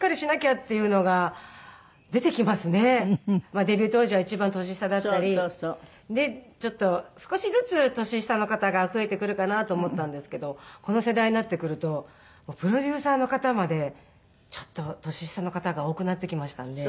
まあデビュー当時は一番年下だったり。でちょっと少しずつ年下の方が増えてくるかなと思ったんですけどこの世代になってくるとプロデューサーの方までちょっと年下の方が多くなってきましたね。